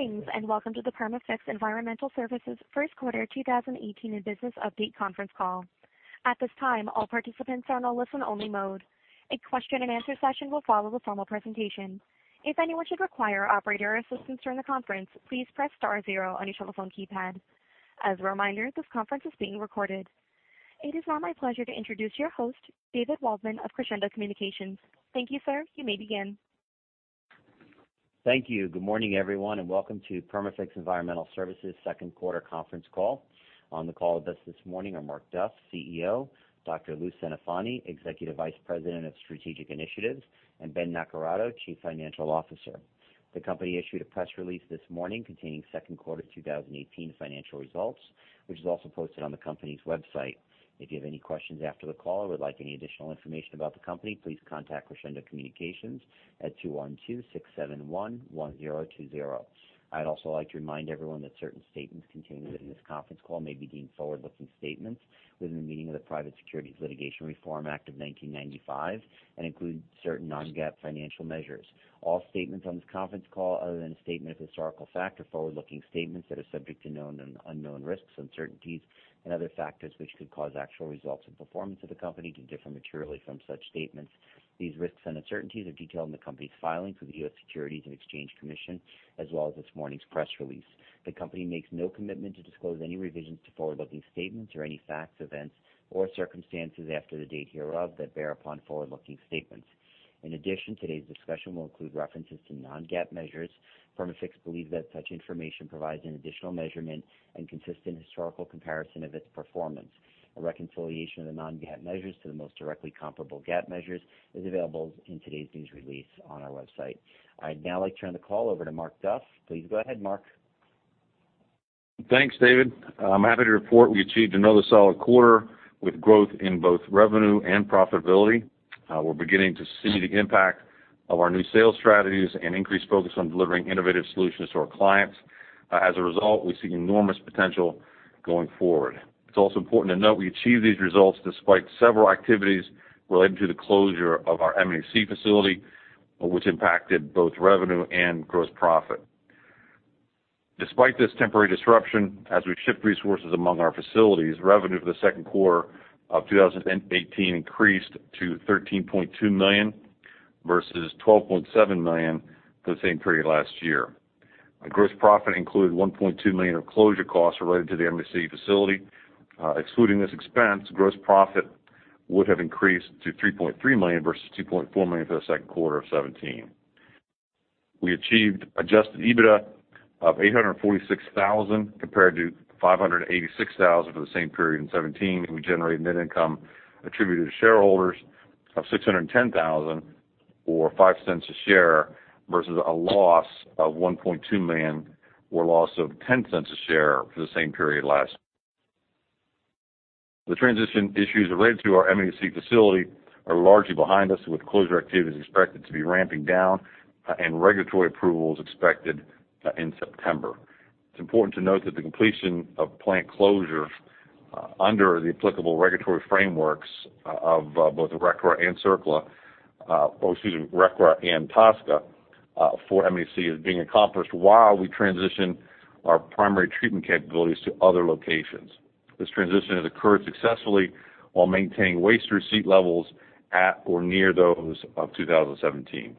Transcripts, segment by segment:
Greetings, welcome to the Perma-Fix Environmental Services first quarter 2018 business update conference call. At this time, all participants are on listen-only mode. A question and answer session will follow the formal presentation. If anyone should require operator assistance during the conference, please press star zero on your telephone keypad. As a reminder, this conference is being recorded. It is now my pleasure to introduce your host, David Waldman of Crescendo Communications. Thank you, sir. You may begin. Thank you. Good morning, everyone, welcome to Perma-Fix Environmental Services' second quarter conference call. On the call with us this morning are Mark Duff, CEO, Dr. Lou Centofanti, Executive Vice President of Strategic Initiatives, and Ben Naccarato, Chief Financial Officer. The company issued a press release this morning containing second quarter 2018 financial results, which is also posted on the company's website. If you have any questions after the call or would like any additional information about the company, please contact Crescendo Communications at 212-671-1020. I'd also like to remind everyone that certain statements contained within this conference call may be deemed forward-looking statements within the meaning of the Private Securities Litigation Reform Act of 1995 and include certain non-GAAP financial measures. All statements on this conference call, other than statements of historical fact, are forward-looking statements that are subject to known and unknown risks, uncertainties, and other factors which could cause actual results and performance of the company to differ materially from such statements. These risks and uncertainties are detailed in the company's filings with the U.S. Securities and Exchange Commission, as well as this morning's press release. The company makes no commitment to disclose any revisions to forward-looking statements or any facts, events, or circumstances after the date hereof that bear upon forward-looking statements. In addition, today's discussion will include references to non-GAAP measures. Perma-Fix believes that such information provides an additional measurement and consistent historical comparison of its performance. A reconciliation of the non-GAAP measures to the most directly comparable GAAP measures is available in today's news release on our website. I'd now like to turn the call over to Mark Duff. Please go ahead, Mark. Thanks, David. I'm happy to report we achieved another solid quarter with growth in both revenue and profitability. We're beginning to see the impact of our new sales strategies and increased focus on delivering innovative solutions to our clients. As a result, we see enormous potential going forward. It's also important to note we achieved these results despite several activities relating to the closure of our M&EC facility, which impacted both revenue and gross profit. Despite this temporary disruption, as we shift resources among our facilities, revenue for the second quarter of 2018 increased to $13.2 million versus $12.7 million for the same period last year. Our gross profit included $1.2 million of closure costs related to the M&EC facility. Excluding this expense, gross profit would have increased to $3.3 million versus $2.4 million for the second quarter of 2017. We achieved adjusted EBITDA of $846,000 compared to $586,000 for the same period in 2017. We generated net income attributed to shareholders of $610,000, or $0.05 a share, versus a loss of $1.2 million, or a loss of $0.10 a share for the same period last. The transition issues related to our M&EC facility are largely behind us, with closure activities expected to be ramping down and regulatory approvals expected in September. It's important to note that the completion of plant closure under the applicable regulatory frameworks of both RCRA and CERCLA, RCRA and TSCA for M&EC is being accomplished while we transition our primary treatment capabilities to other locations. This transition has occurred successfully while maintaining waste receipt levels at or near those of 2017.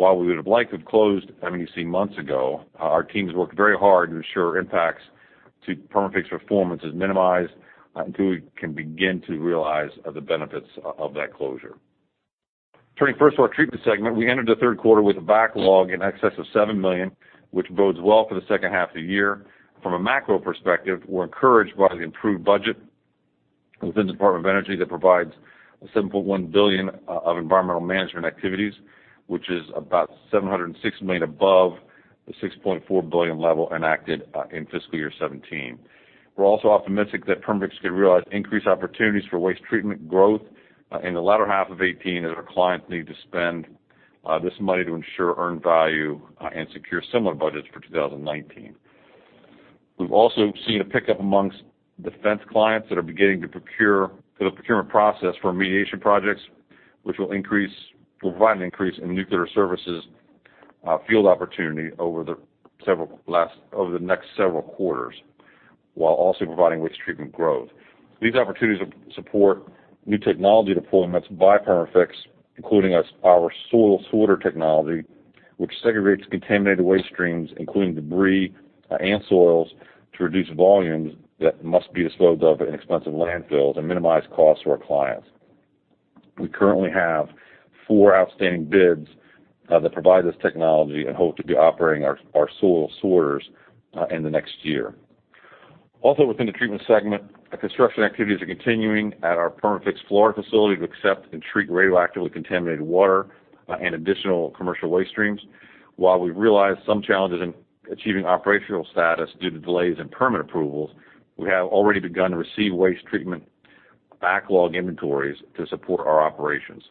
While we would have liked to have closed M&EC months ago, our teams worked very hard to ensure impacts to Perma-Fix performance is minimized until we can begin to realize the benefits of that closure. Turning first to our treatment segment, we entered the third quarter with a backlog in excess of $7 million, which bodes well for the second half of the year. From a macro perspective, we're encouraged by the improved budget within the Department of Energy that provides $7.1 billion of environmental management activities, which is about $706 million above the $6.4 billion level enacted in fiscal year 2017. We're also optimistic that Perma-Fix could realize increased opportunities for waste treatment growth in the latter half of 2018 as our clients need to spend this money to ensure earned value and secure similar budgets for 2019. We've also seen a pickup amongst defense clients that are beginning the procurement process for remediation projects, which will provide an increase in nuclear services field opportunity over the next several quarters, while also providing waste treatment growth. These opportunities support new technology deployments by Perma-Fix, including our soil sorter technology, which segregates contaminated waste streams, including debris and soils, to reduce volumes that must be disposed of in expensive landfills and minimize costs to our clients. We currently have four outstanding bids that provide this technology and hope to be operating our soil sorters in the next year. Also within the treatment segment, construction activities are continuing at our Perma-Fix Florida facility to accept and treat radioactively contaminated water and additional commercial waste streams. While we've realized some challenges in achieving operational status due to delays in permit approvals, we have already begun to receive waste treatment backlog inventories to support our operations.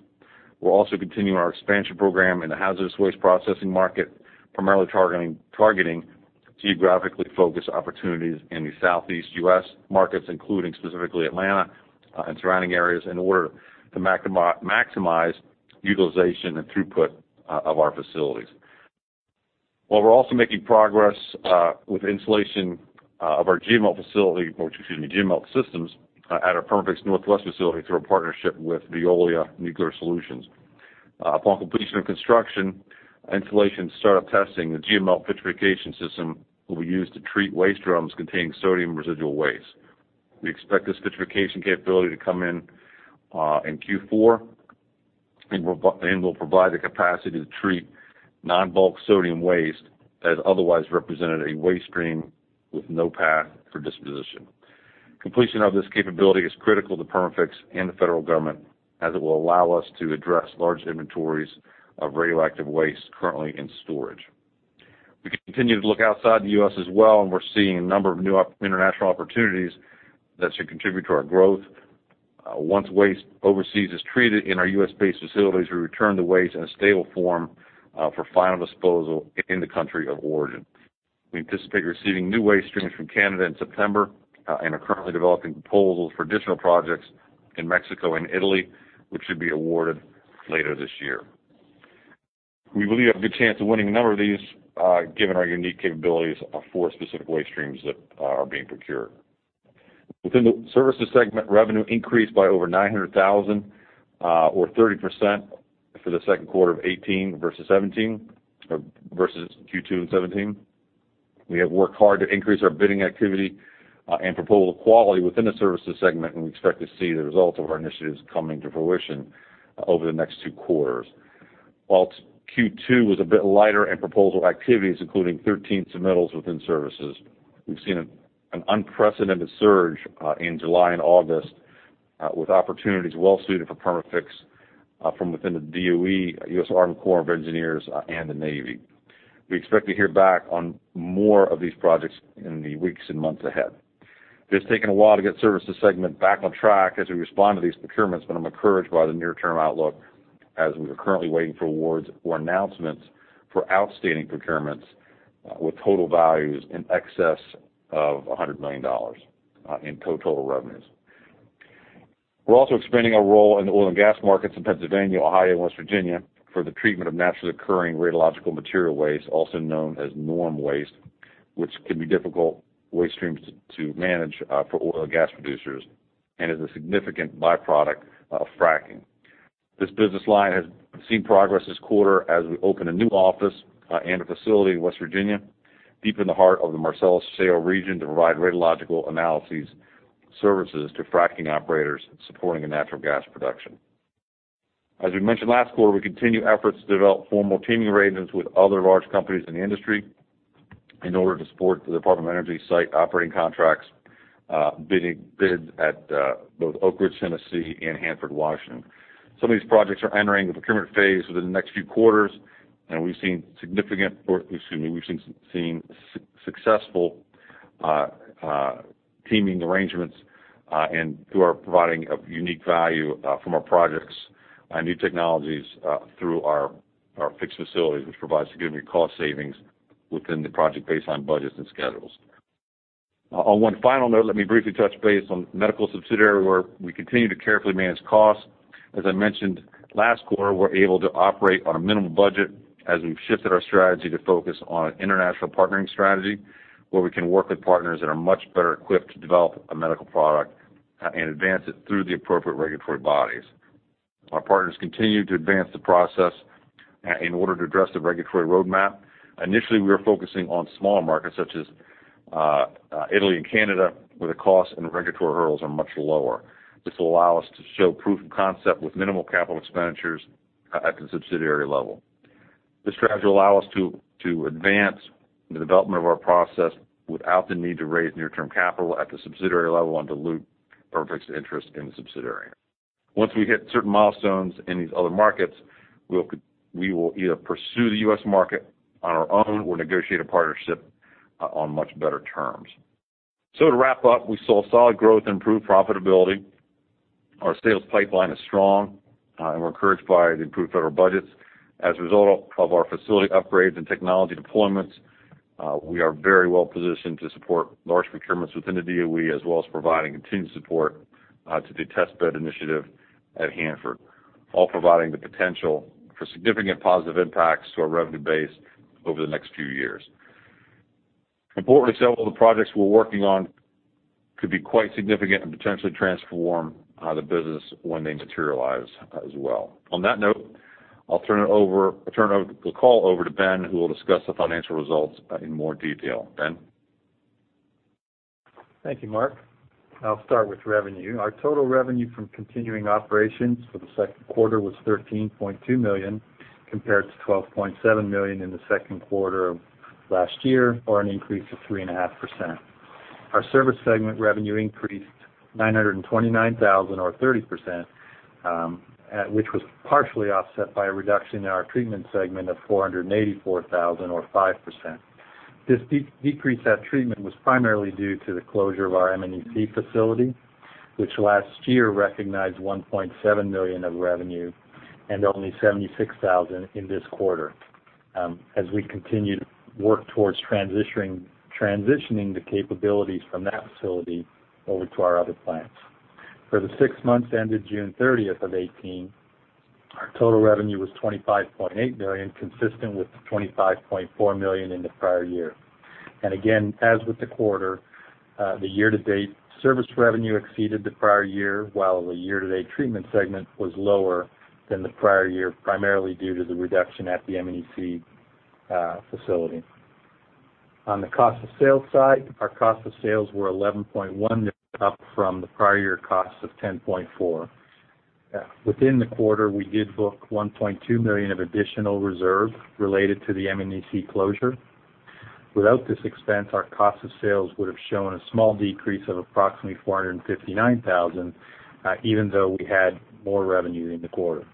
We'll also continue our expansion program in the hazardous waste processing market, primarily targeting Geographically focused opportunities in the Southeast U.S. markets, including specifically Atlanta and surrounding areas, in order to maximize utilization and throughput of our facilities. While we're also making progress with installation of our GeoMelt facility, or excuse me, GeoMelt systems at our Perma-Fix Northwest facility through our partnership with Veolia Nuclear Solutions. Upon completion of construction, installation start-up testing, the GeoMelt vitrification system will be used to treat waste drums containing sodium residual waste. We expect this vitrification capability to come in Q4, and will provide the capacity to treat non-bulk sodium waste that otherwise represented a waste stream with no path for disposition. Completion of this capability is critical to Perma-Fix and the federal government, as it will allow us to address large inventories of radioactive waste currently in storage. We continue to look outside the U.S. as well, and we're seeing a number of new international opportunities that should contribute to our growth. Once waste overseas is treated in our U.S.-based facilities, we return the waste in a stable form for final disposal in the country of origin. We anticipate receiving new waste streams from Canada in September, and are currently developing proposals for additional projects in Mexico and Italy, which should be awarded later this year. We believe a good chance of winning a number of these, given our unique capabilities for specific waste streams that are being procured. Within the services segment, revenue increased by over $900,000, or 30% for the second quarter of 2018 versus 2017, or versus Q2 in 2017. We have worked hard to increase our bidding activity, and proposal quality within the services segment, and we expect to see the results of our initiatives coming to fruition over the next two quarters. Whilst Q2 was a bit lighter in proposal activities, including 13 submittals within services, we've seen an unprecedented surge, in July and August, with opportunities well suited for Perma-Fix, from within the DOE, U.S. Army Corps of Engineers, and the Navy. We expect to hear back on more of these projects in the weeks and months ahead. It's taken a while to get services segment back on track as we respond to these procurements, but I'm encouraged by the near-term outlook, as we are currently waiting for awards or announcements for outstanding procurements with total values in excess of $100 million in total revenues. We're also expanding our role in the oil and gas markets in Pennsylvania, Ohio, and West Virginia for the treatment of naturally occurring radiological material waste, also known as NORM waste, which can be difficult waste streams to manage for oil and gas producers, and is a significant byproduct of fracking. This business line has seen progress this quarter as we open a new office, and a facility in West Virginia, deep in the heart of the Marcellus Shale region, to provide radiological analysis services to fracking operators supporting natural gas production. As we mentioned last quarter, we continue efforts to develop formal teaming arrangements with other large companies in the industry in order to support the Department of Energy site operating contracts, bids at both Oak Ridge, Tennessee and Hanford, Washington. Some of these projects are entering the procurement phase within the next few quarters, we've seen successful teaming arrangements, and who are providing a unique value from our projects, new technologies, through our fixed facilities, which provides significant cost savings within the project baseline budgets and schedules. On one final note, let me briefly touch base on medical subsidiary, where we continue to carefully manage costs. As I mentioned last quarter, we're able to operate on a minimum budget as we've shifted our strategy to focus on an international partnering strategy, where we can work with partners that are much better equipped to develop a medical product and advance it through the appropriate regulatory bodies. Our partners continue to advance the process in order to address the regulatory roadmap. Initially, we are focusing on smaller markets such as Italy and Canada, where the cost and regulatory hurdles are much lower. This will allow us to show proof of concept with minimal capital expenditures at the subsidiary level. This strategy will allow us to advance the development of our process without the need to raise near-term capital at the subsidiary level and dilute Perma-Fix interest in the subsidiary. Once we hit certain milestones in these other markets, we will either pursue the U.S. market on our own or negotiate a partnership on much better terms. To wrap up, we saw solid growth, improved profitability. Our sales pipeline is strong, and we're encouraged by the improved federal budgets. As a result of our facility upgrades and technology deployments, we are very well positioned to support large procurements within the DOE, as well as providing continued support to the test bed initiative at Hanford, all providing the potential for significant positive impacts to our revenue base over the next few years. Importantly, several of the projects we're working on could be quite significant and potentially transform the business when they materialize as well. On that note, I'll turn the call over to Ben, who will discuss the financial results in more detail. Ben? Thank you, Mark. I'll start with revenue. Our total revenue from continuing operations for the second quarter was $13.2 million, compared to $12.7 million in the second quarter of last year, or an increase of 3.5%. Our service segment revenue increased $929,000 or 30%, which was partially offset by a reduction in our treatment segment of $484,000 or 5%. This decrease at treatment was primarily due to the closure of our M&EC facility Which last year recognized $1.7 million of revenue and only $76,000 in this quarter, as we continue to work towards transitioning the capabilities from that facility over to our other plants. For the six months ended June 30th of 2018, our total revenue was $25.8 million, consistent with the $25.4 million in the prior year. Again, as with the quarter, the year-to-date service revenue exceeded the prior year, while the year-to-date treatment segment was lower than the prior year, primarily due to the reduction at the M&EC facility. On the cost of sales side, our cost of sales were $11.1 million, up from the prior year costs of $10.4. Within the quarter, we did book $1.2 million of additional reserve related to the M&EC closure. Without this expense, our cost of sales would have shown a small decrease of approximately $459,000, even though we had more revenue in the quarter.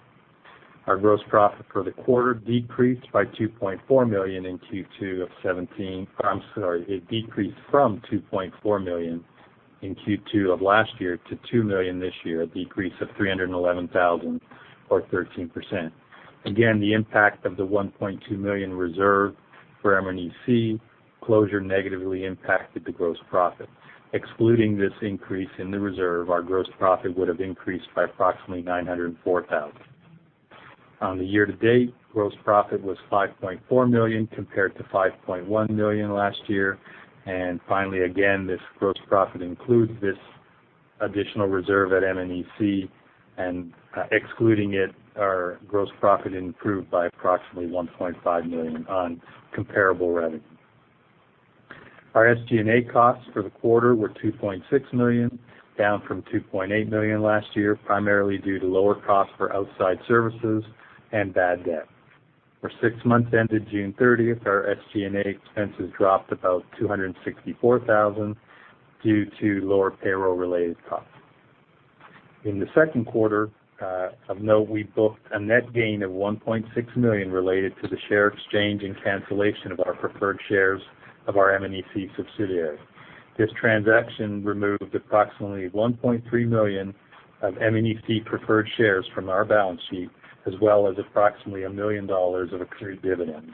Our gross profit for the quarter decreased by $2.4 million in Q2 of 2017. I'm sorry, it decreased from $2.4 million in Q2 of last year to $2 million this year, a decrease of $311,000 or 13%. Again, the impact of the $1.2 million reserve for M&EC closure negatively impacted the gross profit. Excluding this increase in the reserve, our gross profit would have increased by approximately $904,000. On the year-to-date, gross profit was $5.4 million compared to $5.1 million last year. Finally, again, this gross profit includes this additional reserve at M&EC, and excluding it, our gross profit improved by approximately $1.5 million on comparable revenue. Our SG&A costs for the quarter were $2.6 million, down from $2.8 million last year, primarily due to lower costs for outside services and bad debt. For six months ended June 30th, our SG&A expenses dropped about $264,000 due to lower payroll-related costs. In the second quarter, of note, we booked a net gain of $1.6 million related to the share exchange and cancellation of our preferred shares of our M&EC subsidiary. This transaction removed approximately $1.3 million of M&EC preferred shares from our balance sheet, as well as approximately $1 million of accrued dividends.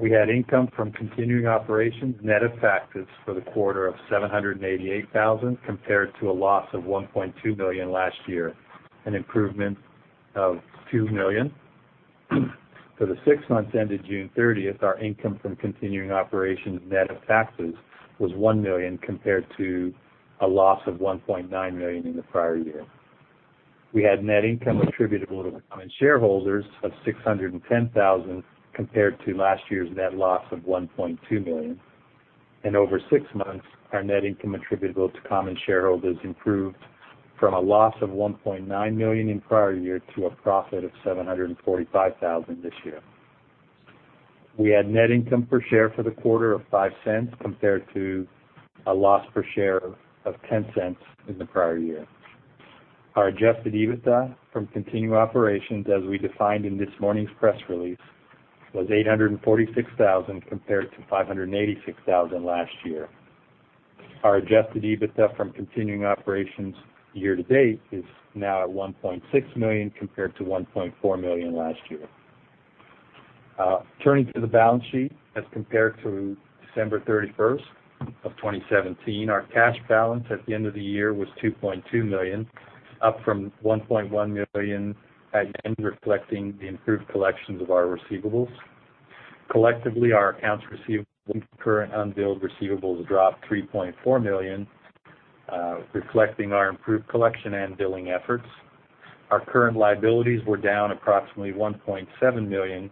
We had income from continuing operations, net of taxes for the quarter of $788,000 compared to a loss of $1.2 million last year, an improvement of $2 million. For the six months ended June 30th, our income from continuing operations net of taxes was $1 million compared to a loss of $1.9 million in the prior year. We had net income attributable to common shareholders of $610,000 compared to last year's net loss of $1.2 million. Over six months, our net income attributable to common shareholders improved from a loss of $1.9 million in prior year to a profit of $745,000 this year. We had net income per share for the quarter of $0.05 compared to a loss per share of $0.10 in the prior year. Our adjusted EBITDA from continuing operations, as we defined in this morning's press release, was $846,000 compared to $586,000 last year. Our adjusted EBITDA from continuing operations year to date is now at $1.6 million compared to $1.4 million last year. Turning to the balance sheet as compared to December 31st of 2017, our cash balance at the end of the year was $2.2 million, up from $1.1 million, again, reflecting the improved collections of our receivables. Collectively, our accounts receivable and current unbilled receivables dropped $3.4 million, reflecting our improved collection and billing efforts. Our current liabilities were down approximately $1.7 million,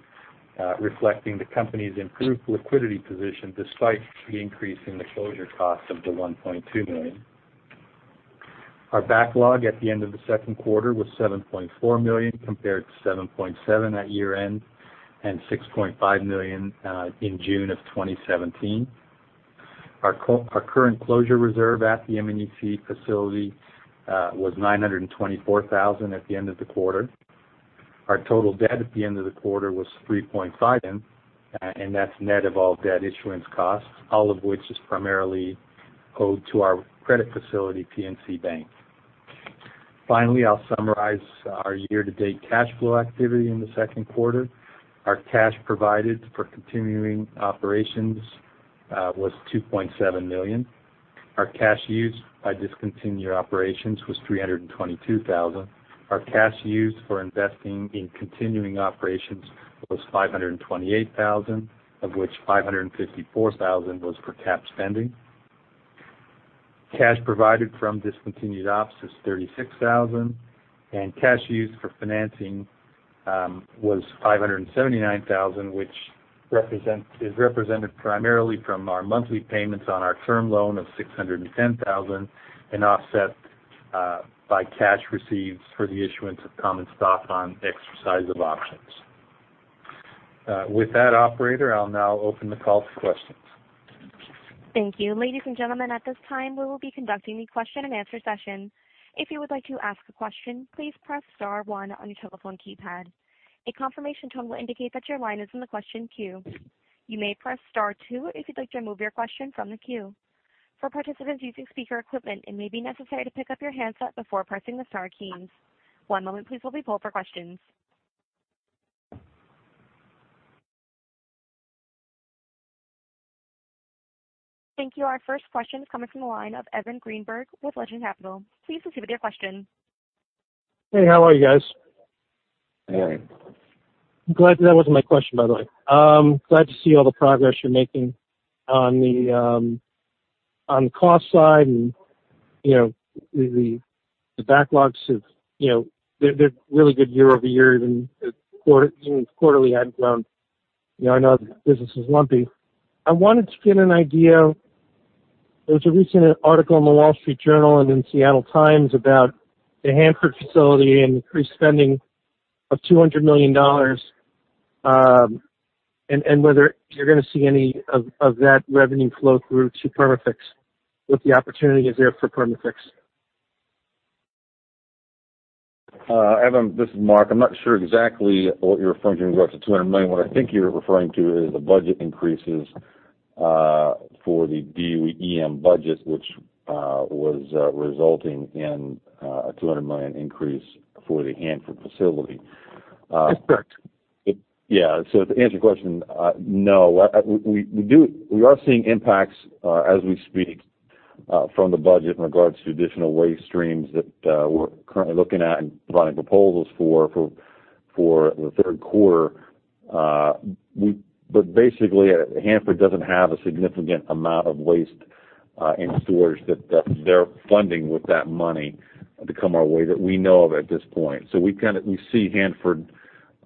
reflecting the company's improved liquidity position despite the increase in the closure cost of the $1.2 million. Our backlog at the end of the second quarter was $7.4 million compared to $7.7 at year-end and $6.5 million in June of 2017. Our current closure reserve at the M&EC facility was $924,000 at the end of the quarter. Our total debt at the end of the quarter was $3.5 million, and that's net of all debt issuance costs, all of which is primarily owed to our credit facility, PNC Bank. Finally, I'll summarize our year-to-date cash flow activity in the second quarter. Our cash provided for continuing operations was $2.7 million. Our cash used by discontinued operations was $322,000. Our cash used for investing in continuing operations was $528,000, of which $554,000 was for cap spending. Cash provided from discontinued ops was $36,000, and cash used for financing was $579,000, which is represented primarily from our monthly payments on our term loan of $610,000 and offset by cash received for the issuance of common stock on exercise of options. With that, operator, I'll now open the call to questions. Thank you. Ladies and gentlemen, at this time, we will be conducting a question-and-answer session. If you would like to ask a question, please press star one on your telephone keypad. A confirmation tone will indicate that your line is in the question queue. You may press star two if you'd like to remove your question from the queue. For participants using speaker equipment, it may be necessary to pick up your handset before pressing the star keys. One moment please while we poll for questions. Thank you. Our first question is coming from the line of Evan Greenberg with Legend Capital. Please proceed with your question. Hey, how are you guys? Hey. I'm glad that wasn't my question, by the way. Glad to see all the progress you're making on the cost side. They're really good year-over-year, even quarterly had grown. I know the business is lumpy. I wanted to get an idea. There was a recent article in The Wall Street Journal and in The Seattle Times about the Hanford facility and increased spending of $200 million, whether you're going to see any of that revenue flow through to Perma-Fix, if the opportunity is there for Perma-Fix. Evan, this is Mark. I'm not sure exactly what you're referring to in regards to $200 million. What I think you're referring to is the budget increases for the DOE EM budget, which was resulting in a $200 million increase for the Hanford facility. That's correct. Yeah. To answer your question, no. We are seeing impacts, as we speak, from the budget in regards to additional waste streams that we're currently looking at and providing proposals for the third quarter. Basically, Hanford doesn't have a significant amount of waste in storage that they're funding with that money to come our way, that we know of at this point. We see Hanford,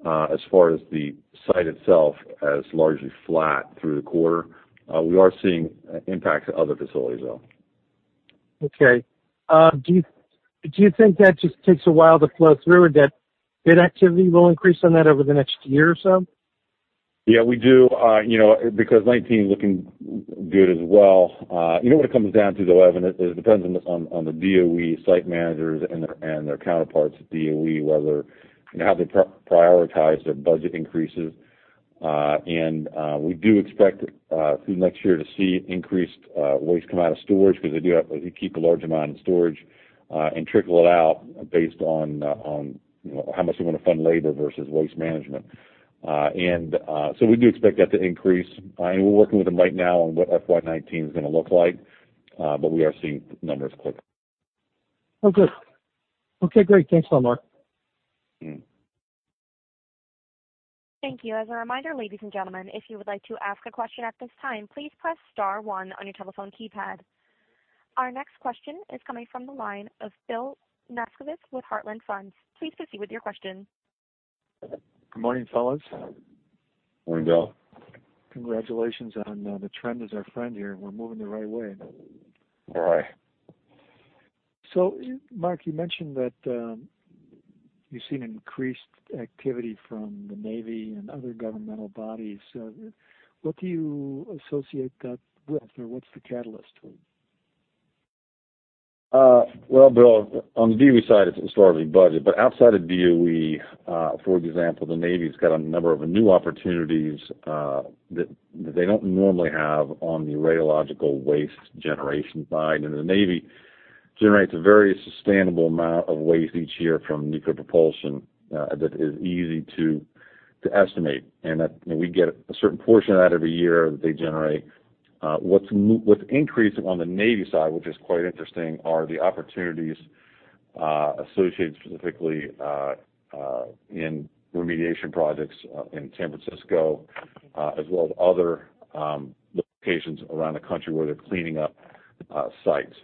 as far as the site itself, as largely flat through the quarter. We are seeing impacts at other facilities, though. Okay. Do you think that just takes a while to flow through, or that activity will increase on that over the next year or so? Yeah, we do, because 2019 is looking good as well. You know what it comes down to, though, Evan, is it depends on the DOE site managers and their counterparts at DOE, how they prioritize their budget increases. We do expect through next year to see increased waste come out of storage because they do keep a large amount in storage, and trickle it out based on how much they want to fund labor versus waste management. We do expect that to increase, and we're working with them right now on what FY 2019 is going to look like. We are seeing numbers click. Oh, good. Okay, great. Thanks a lot, Mark. Thank you. As a reminder, ladies and gentlemen, if you would like to ask a question at this time, please press star one on your telephone keypad. Our next question is coming from the line of Bill Naskevich with Heartland Funds. Please proceed with your question. Good morning, fellas. Morning, Bill. Congratulations the trend is our friend here. We're moving the right way. All right. Mark, you mentioned that you've seen increased activity from the Navy and other governmental bodies. What do you associate that with, or what's the catalyst? Well, Bill, on the DOE side, it's historically budget, but outside of DOE, for example, the Navy's got a number of new opportunities that they don't normally have on the radiological waste generation side. Now, the Navy generates a very sustainable amount of waste each year from nuclear propulsion that is easy to estimate, and we get a certain portion of that every year that they generate. What's increasing on the Navy side, which is quite interesting, are the opportunities associated specifically in remediation projects in San Francisco, as well as other locations around the country where they're cleaning up sites.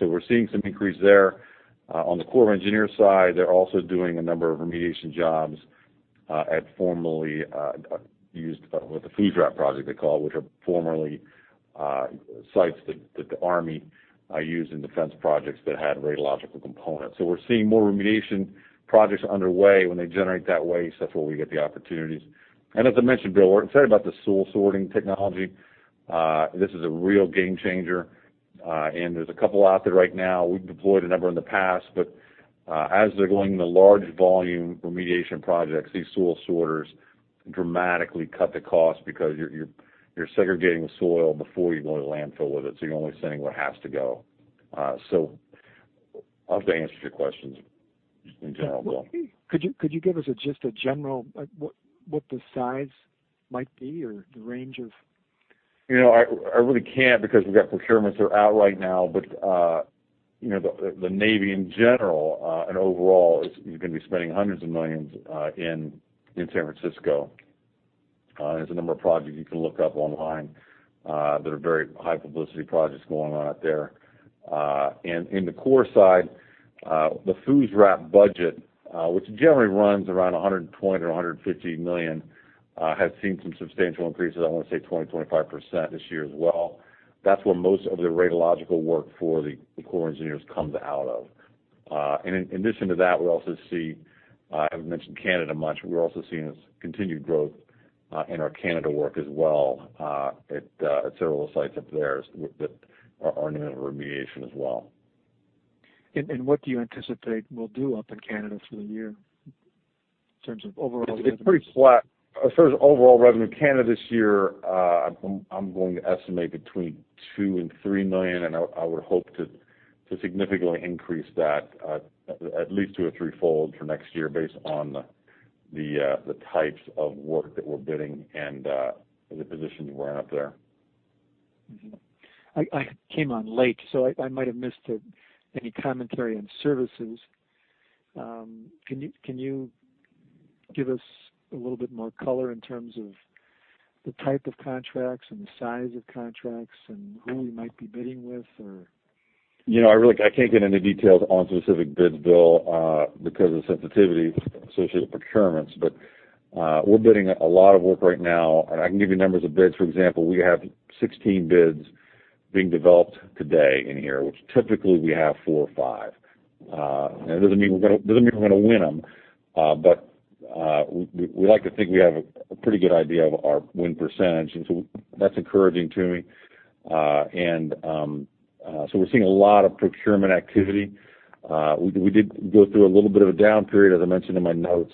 We're seeing some increase there. On the Corps of Engineers side, they're also doing a number of remediation jobs at what the FUSRAP project they call it, which are formerly sites that the Army used in defense projects that had radiological components. We're seeing more remediation projects underway when they generate that waste. That's where we get the opportunities. As I mentioned, Bill, we're excited about the soil sorting technology. This is a real game changer, and there's a couple out there right now. We've deployed a number in the past, but as they're going into large volume remediation projects, these soil sorters dramatically cut the cost because you're segregating the soil before you go to the landfill with it, so you're only sending what has to go. I hope that answers your questions in general, Bill. Could you give us just a general, what the size might be, or the range of? I really can't because we've got procurements that are out right now. The Navy in general and overall is going to be spending $hundreds of millions in San Francisco. There's a number of projects you can look up online that are very high publicity projects going on out there. In the Corps side, the FUSRAP budget, which generally runs around $120 million or $150 million, has seen some substantial increases, I want to say 20%, 25% this year as well. That's where most of the radiological work for the U.S. Army Corps of Engineers comes out of. In addition to that, we also see, I haven't mentioned Canada much, but we're also seeing continued growth in our Canada work as well, at several sites up there that are in need of remediation as well. What do you anticipate we'll do up in Canada through the year in terms of overall revenue? It's pretty flat. As far as overall revenue in Canada this year, I'm going to estimate between $2 million and $3 million, and I would hope to significantly increase that at least two or threefold for next year based on the types of work that we're bidding and the positions we're in up there. I came on late, so I might have missed any commentary on services. Can you give us a little bit more color in terms of the type of contracts and the size of contracts and who we might be bidding with or? I can't get into details on specific bids, Bill, because of the sensitivity associated with procurements. We're bidding a lot of work right now, and I can give you numbers of bids. For example, we have 16 bids being developed today in here, which typically we have four or five. It doesn't mean we're going to win them, but, we like to think we have a pretty good idea of our win percentage, and so that's encouraging to me. We're seeing a lot of procurement activity. We did go through a little bit of a down period, as I mentioned in my notes,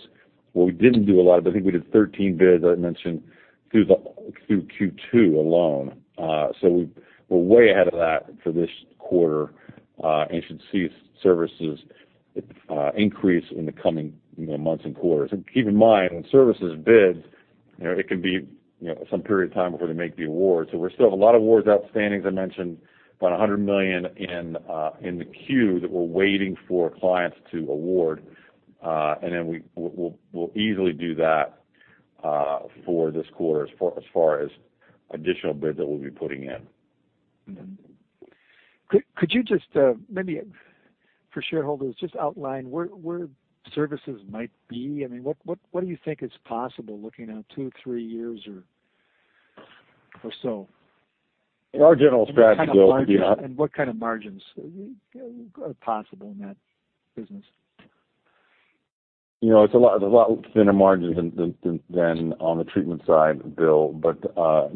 where we didn't do a lot, but I think we did 13 bids, as I mentioned, through Q2 alone. We're way ahead of that for this quarter and should see services increase in the coming months and quarters. Keep in mind, when services bid, it could be some period of time before they make the award. We still have a lot of awards outstanding, as I mentioned, about $100 million in the queue that we're waiting for clients to award. We'll easily do that for this quarter as far as additional bids that we'll be putting in. Could you just, maybe for shareholders, just outline where services might be? I mean, what do you think is possible looking out two, three years or so? Our general strategy, Bill, would be. What kind of margins are possible in that business? It's a lot thinner margin than on the treatment side, Bill.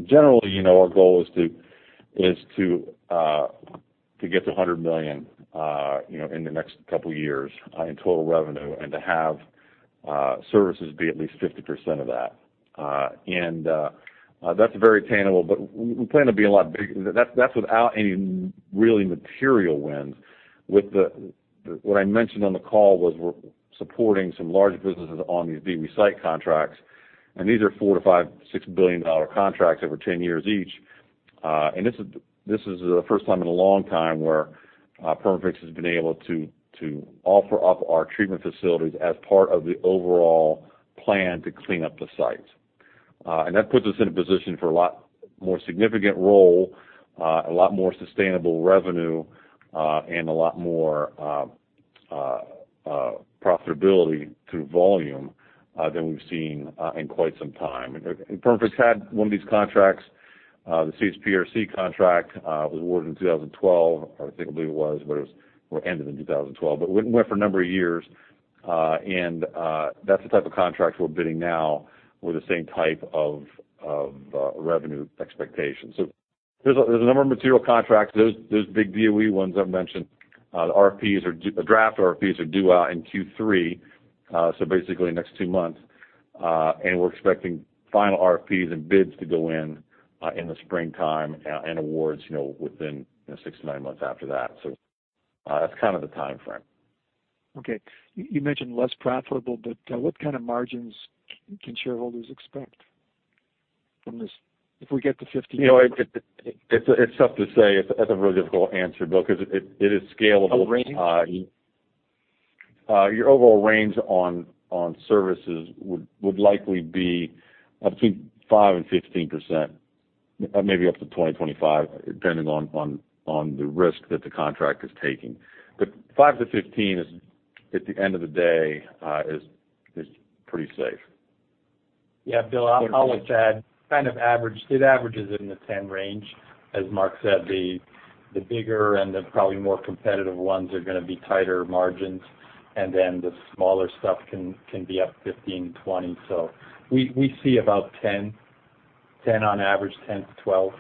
Generally, our goal is to get to $100 million in the next couple of years in total revenue and to have services be at least 50% of that. That's very attainable, but we plan to be a lot bigger. That's without any really material wins. What I mentioned on the call was we're supporting some large businesses on these DOE site contracts, and these are $4 to $5, $6 billion contracts over 10 years each. This is the first time in a long time where Perma-Fix has been able to offer up our treatment facilities as part of the overall plan to clean up the site. That puts us in a position for a lot more significant role, a lot more sustainable revenue, and a lot more profitability through volume than we've seen in quite some time. Perma-Fix had one of these contracts, the CHPRC contract was awarded in 2012, I think, I believe it was, but it ended in 2012. It went for a number of years, and that's the type of contract we're bidding now with the same type of revenue expectations. There's a number of material contracts. Those big DOE ones I've mentioned, the draft RFPs are due out in Q3, so basically next two months. We're expecting final RFPs and bids to go in in the springtime and awards within six to nine months after that. That's kind of the timeframe. Okay. You mentioned less profitable, what kind of margins can shareholders expect from this if we get to 50%? It's tough to say. That's a really difficult answer, Bill, because it is scalable. A range? Your overall range on services would likely be between 5% and 15%, maybe up to 20%, 25%, depending on the risk that the contract is taking. 5%-15% at the end of the day is pretty safe. Yeah, Bill, I'll just add, it averages in the 10% range. As Mark said, the bigger and the probably more competitive ones are going to be tighter margins. The smaller stuff can be up 15%, 20%. We see about 10% on average, 10%-12%.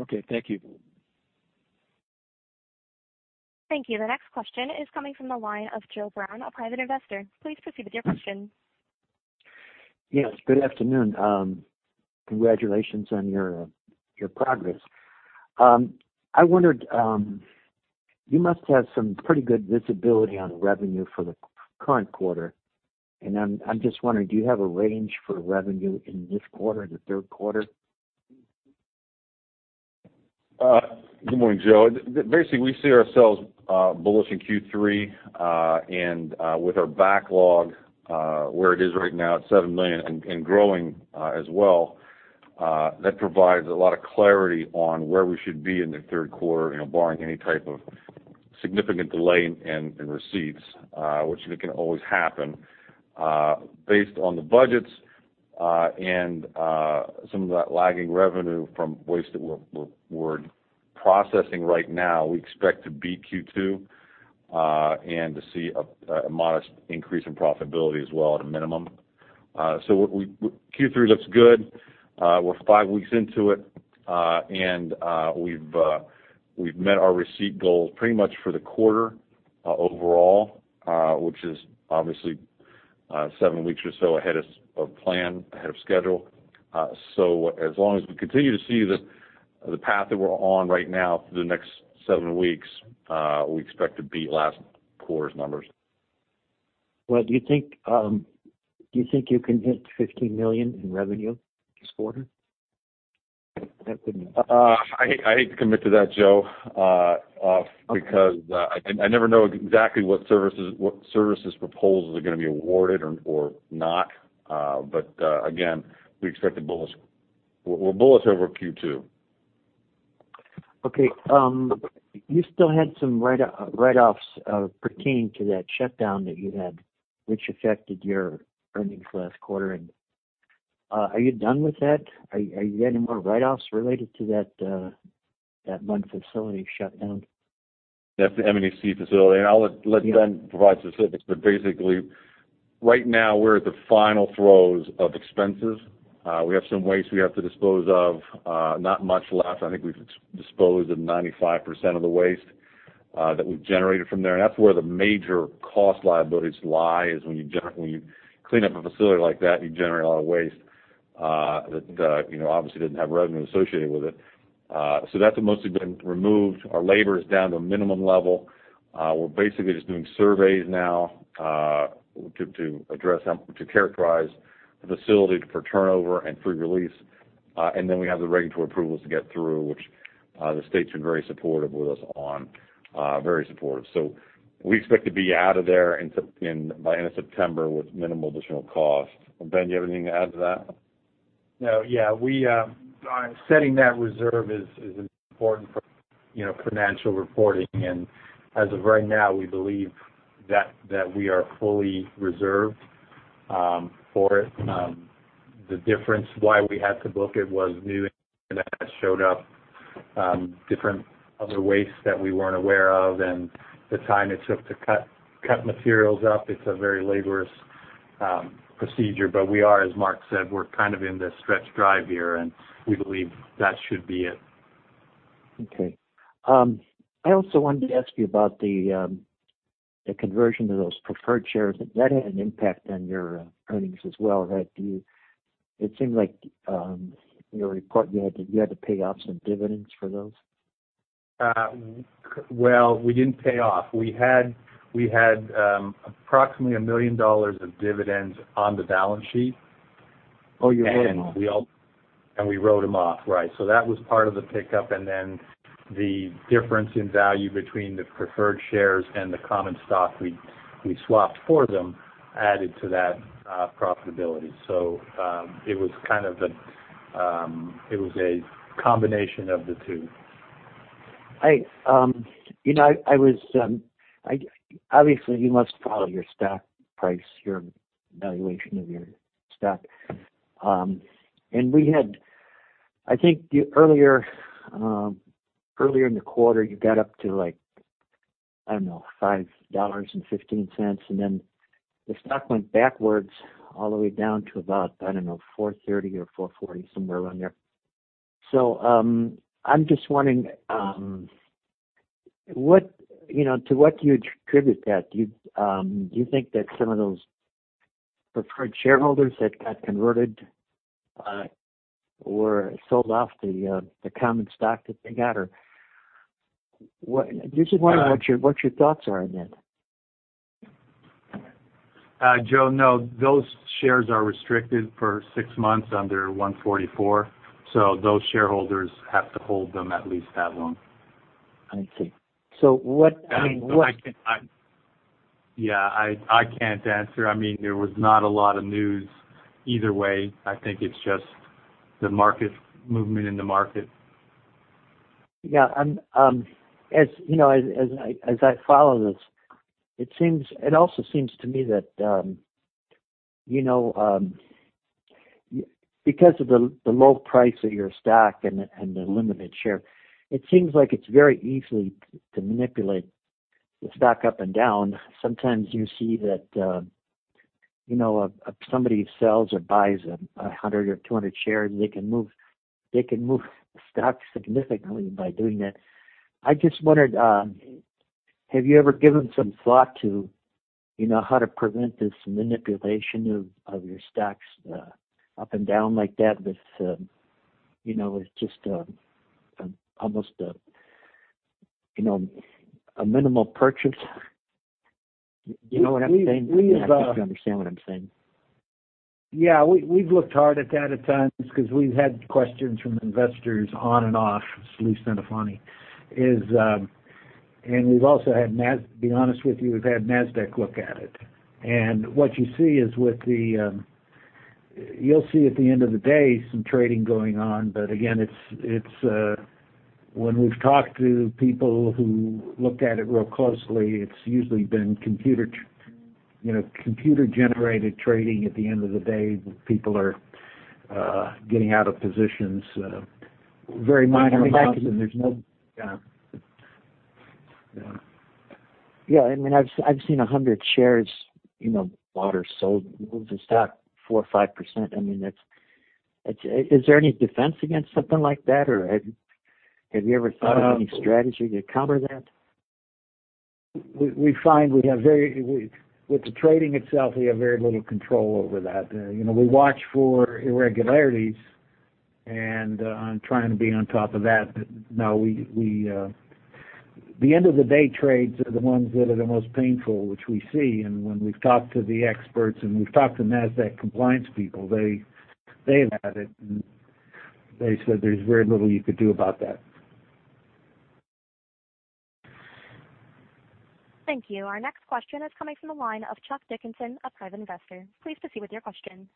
Okay, thank you. Thank you. The next question is coming from the line of Joe Brown, a private investor. Please proceed with your question. Yes, good afternoon. Congratulations on your progress. I wondered, you must have some pretty good visibility on revenue for the current quarter. I'm just wondering, do you have a range for revenue in this quarter, the third quarter? Good morning, Joe. Basically, we see ourselves bullish in Q3. With our backlog where it is right now at $7 million and growing as well, that provides a lot of clarity on where we should be in the third quarter, barring any type of significant delay in receipts, which can always happen. Based on the budgets, and some of that lagging revenue from waste that we're processing right now, we expect to beat Q2, and to see a modest increase in profitability as well at a minimum. Q3 looks good. We're five weeks into it, and we've met our receipt goals pretty much for the quarter overall, which is obviously seven weeks or so ahead of plan, ahead of schedule. As long as we continue to see the path that we're on right now for the next seven weeks, we expect to beat last quarter's numbers. Do you think you can hit $50 million in revenue this quarter? I hate to commit to that, Joe, because I never know exactly what services proposals are going to be awarded or not. Again, we're bullish over Q2. You still had some write-offs pertaining to that shutdown that you had, which affected your earnings last quarter. Are you done with that? Are you getting more write-offs related to that one facility shutdown? That's the M&EC facility. I'll let Ben provide specifics. Basically, right now we're at the final throes of expenses. We have some waste we have to dispose of. Not much left. I think we've disposed of 95% of the waste that we've generated from there, that's where the major cost liabilities lie is when you clean up a facility like that, you generate a lot of waste that obviously didn't have revenue associated with it. That's mostly been removed. Our labor is down to a minimum level. We're basically just doing surveys now to characterize the facility for turnover and free release. Then we have the regulatory approvals to get through, which the state's been very supportive with us on. Very supportive. We expect to be out of there by end of September with minimal additional cost. Ben, do you have anything to add to that? No. Yeah. Setting that reserve is important for financial reporting. As of right now, we believe that we are fully reserved for it. The difference why we had to book it was new. That showed up different other wastes that we weren't aware of and the time it took to cut materials up. It's a very laborious procedure. We are, as Mark said, we're kind of in the stretch drive here. We believe that should be it. Okay. I also wanted to ask you about the conversion of those preferred shares. That had an impact on your earnings as well, right? It seemed like in your report you had to pay off some dividends for those. Well, we didn't pay off. We had approximately $1 million of dividends on the balance sheet. Oh, you wrote them off. We wrote them off, right. That was part of the pickup, and then the difference in value between the preferred shares and the common stock we swapped for them added to that profitability. It was a combination of the two. Obviously, you must follow your stock price, your valuation of your stock. I think earlier in the quarter, you got up to like, I don't know, $5.15, and then the stock went backwards all the way down to about, I don't know, $4.30 or $4.40, somewhere around there. I'm just wondering, to what do you attribute that? Do you think that some of those preferred shareholders that got converted or sold off the common stock that they got, or just wondering what your thoughts are on that. Joe, no, those shares are restricted for six months under 144. Those shareholders have to hold them at least that long. I see. Yeah, I can't answer. There was not a lot of news either way. I think it's just the movement in the market. Yeah. As I follow this, it also seems to me that because of the low price of your stock and the limited share, it seems like it's very easy to manipulate the stock up and down. Sometimes you see that if somebody sells or buys 100 or 200 shares, they can move stock significantly by doing that. I just wondered, have you ever given some thought to how to prevent this manipulation of your stocks up and down like that with just almost a minimal purchase? You know what I'm saying? We have. I'm not sure if you understand what I'm saying. Yeah, we've looked hard at that at times because we've had questions from investors on and off. This will sound funny. To be honest with you, we've had Nasdaq look at it. What you see is, you'll see at the end of the day, some trading going on. Again, when we've talked to people who looked at it real closely, it's usually been computer-generated trading at the end of the day, when people are getting out of positions very minorly. Yeah. I've seen 100 shares bought or sold, moves the stock 4% or 5%. Is there any defense against something like that or have you ever thought of any strategy to counter that? With the trading itself, we have very little control over that. We watch for irregularities and on trying to be on top of that. No, the end-of-the-day trades are the ones that are the most painful, which we see. When we've talked to the experts and we've talked to Nasdaq compliance people, they laughed at it, and they said there's very little you could do about that. Thank you. Our next question is coming from the line of Chuck Dickinson of Private Investor. Please proceed with your question.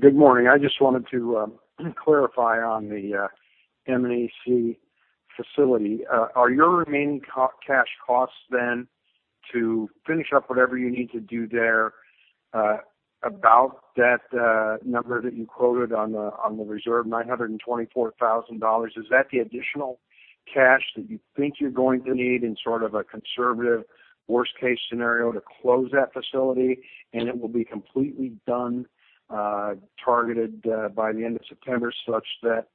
Good morning. I just wanted to clarify on the M&EC facility. Are your remaining cash costs then to finish up whatever you need to do there about that number that you quoted on the reserve, $924,000? Is that the additional cash that you think you're going to need in sort of a conservative worst case scenario to close that facility, and it will be completely done, targeted by the end of September, such that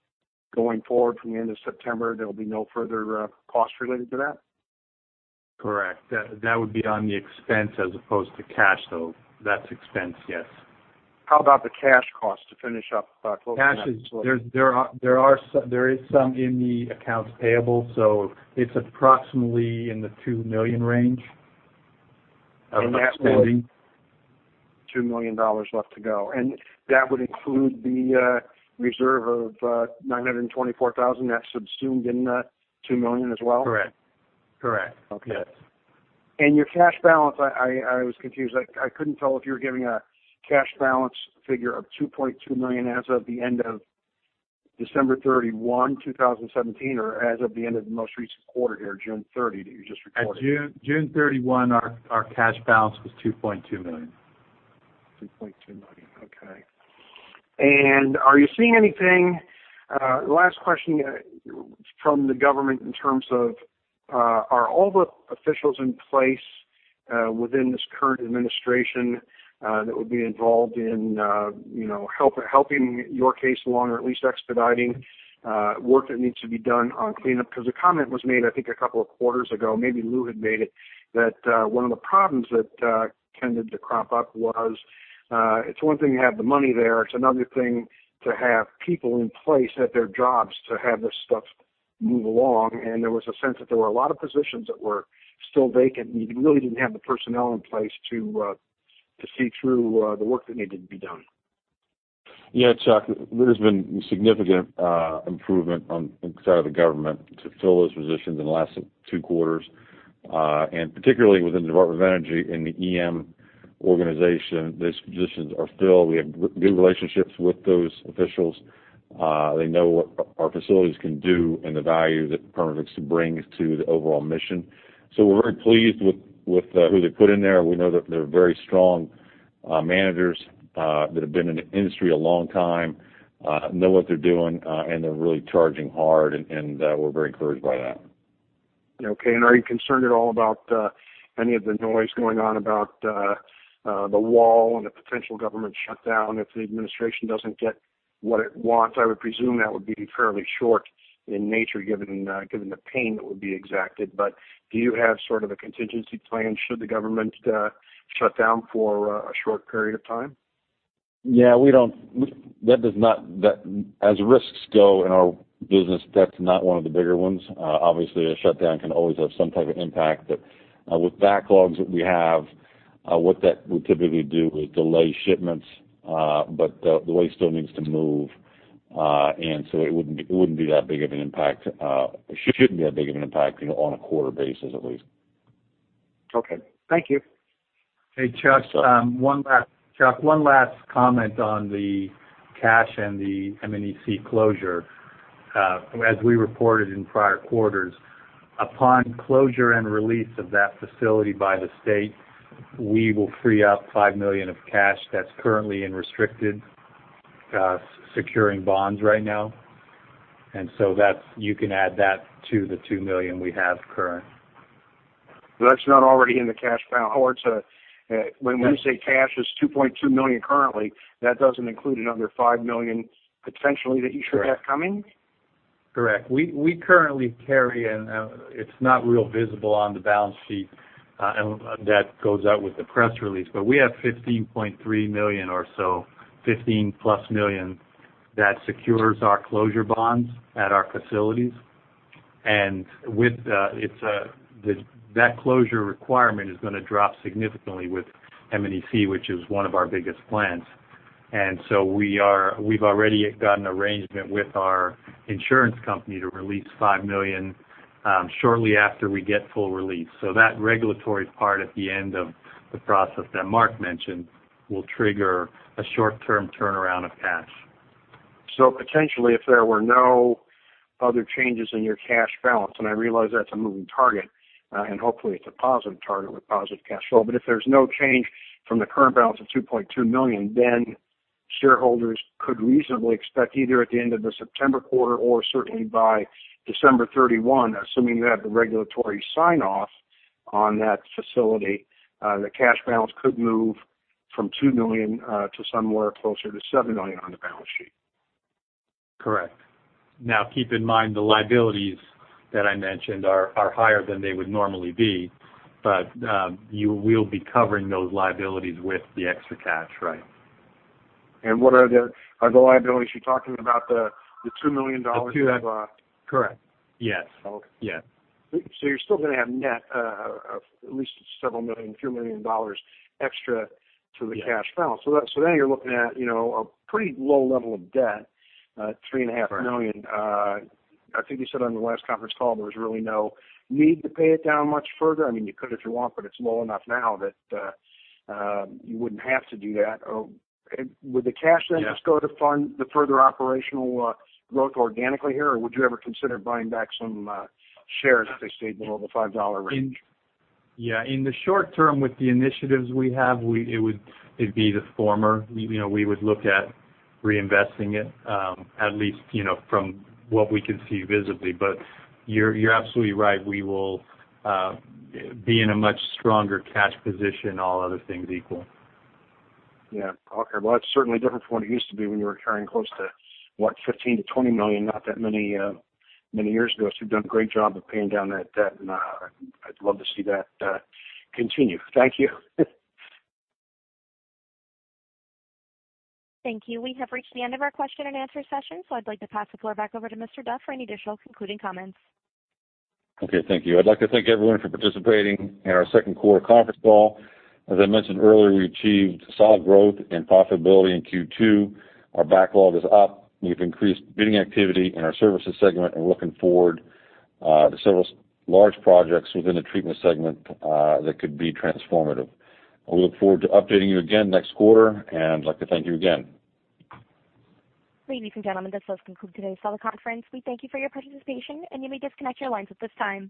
going forward from the end of September, there'll be no further cost related to that? Correct. That would be on the expense as opposed to cash, though. That's expense, yes. How about the cash cost to finish up closing that facility? There is some in the accounts payable, so it's approximately in the $2 million range of outstanding. $2 million left to go. That would include the reserve of $924,000 that's subsumed in that $2 million as well? Correct. Okay. Your cash balance, I was confused. I couldn't tell if you were giving a cash balance figure of $2.2 million as of the end of December 31, 2017, or as of the end of the most recent quarter here, June 30, that you just reported. At June 30, our cash balance was $2.2 million. $2.2 million. Okay. Last question from the government in terms of are all the officials in place within this current administration that would be involved in helping your case along or at least expediting work that needs to be done on cleanup? A comment was made, I think a couple of quarters ago, maybe Lou had made it, that one of the problems that tended to crop up was, it's one thing to have the money there, it's another thing to have people in place at their jobs to have this stuff move along, and there was a sense that there were a lot of positions that were still vacant, and you really didn't have the personnel in place to see through the work that needed to be done. Yeah, Chuck, there's been significant improvement on the side of the government to fill those positions in the last two quarters. Particularly within the Department of Energy in the EM organization, those positions are filled. We have good relationships with those officials. They know what our facilities can do and the value that Perma-Fix brings to the overall mission. We're very pleased with who they put in there. We know that they're very strong managers that have been in the industry a long time, know what they're doing, and they're really charging hard, and we're very encouraged by that. Okay, are you concerned at all about any of the noise going on about the wall and the potential government shutdown if the administration doesn't get what it wants? I would presume that would be fairly short in nature, given the pain that would be exacted. Do you have sort of a contingency plan should the government shut down for a short period of time? Yeah. As risks go in our business, that's not one of the bigger ones. Obviously, a shutdown can always have some type of impact. With backlogs that we have, what that would typically do is delay shipments. The waste still needs to move. It wouldn't be that big of an impact. It shouldn't be that big of an impact on a quarter basis, at least. Okay. Thank you. Hey, Chuck, one last comment on the cash and the M&EC closure. As we reported in prior quarters, upon closure and release of that facility by the state, we will free up $5 million of cash that's currently in restricted securing bonds right now. You can add that to the $2 million we have current. That's not already in the cash balance? No. When you say cash is $2.2 million currently, that doesn't include another $5 million potentially that you should have coming? Correct. We currently carry, and it's not real visible on the balance sheet that goes out with the press release. We have $15.3 million or so, $15 plus million that secures our closure bonds at our facilities. That closure requirement is going to drop significantly with M&EC, which is one of our biggest plants. We've already gotten arrangement with our insurance company to release $5 million shortly after we get full release. That regulatory part at the end of the process that Mark mentioned will trigger a short-term turnaround of cash. Potentially, if there were no other changes in your cash balance, and I realize that's a moving target, and hopefully it's a positive target with positive cash flow, but if there's no change from the current balance of $2.2 million, then shareholders could reasonably expect, either at the end of the September quarter or certainly by December 31, assuming you have the regulatory sign-off on that facility, the cash balance could move from two million to somewhere closer to seven million on the balance sheet. Correct. Keep in mind, the liabilities that I mentioned are higher than they would normally be, but you will be covering those liabilities with the extra cash. Are the liabilities you're talking about the two million dollars- The two. Correct. Yes. Okay. Yeah. You're still going to have net of at least several million, a few million dollars extra to the cash balance. Yeah. You're looking at a pretty low level of debt, three and a half million dollars. Right. I think you said on the last conference call, there was really no need to pay it down much further. You could if you want, but it's low enough now that you wouldn't have to do that. Yeah. Would the cash then just go to fund the further operational growth organically here, or would you ever consider buying back some shares if they stayed below the $5 range? Yeah. In the short term with the initiatives we have, it'd be the former. We would look at reinvesting it, at least from what we can see visibly. You're absolutely right. We will be in a much stronger cash position, all other things equal. Yeah. Okay. Well, that's certainly different from what it used to be when you were carrying close to, what, $15 million to $20 million not that many years ago. You've done a great job of paying down that debt, and I'd love to see that continue. Thank you. Thank you. We have reached the end of our question and answer session, so I'd like to pass the floor back over to Mr. Duff for any additional concluding comments. Okay, thank you. I'd like to thank everyone for participating in our second quarter conference call. As I mentioned earlier, we achieved solid growth and profitability in Q2. Our backlog is up. We've increased bidding activity in our services segment and are looking forward to several large projects within the treatment segment that could be transformative. I look forward to updating you again next quarter, and I'd like to thank you again. Ladies and gentlemen, this does conclude today's teleconference. We thank you for your participation, and you may disconnect your lines at this time.